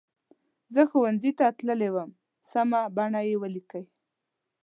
زه ښوونځي ته تللې وم سمه بڼه یې ولیکئ.